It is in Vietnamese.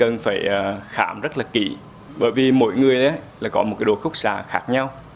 làm rất là kỹ bởi vì mỗi người có một độ khúc xà khác nhau